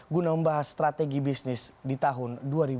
guna membahas strategi bisnis di tahun dua ribu dua puluh